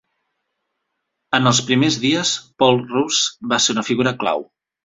En els primers dies, Paul Roos va ser una figura clau.